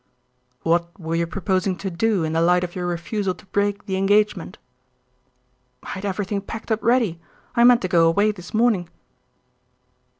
'" "What were you proposing to do in the light of your refusal to break the engagement?" "I had everything packed up ready. I meant to go away this morning."